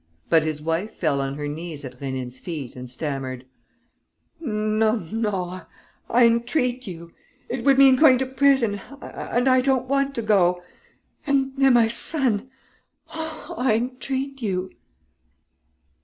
But his wife fell on her knees at Rénine's feet and stammered: "No, no ... I entreat you!... It would mean going to prison and I don't want to go!... And then my son!... Oh, I entreat you!..."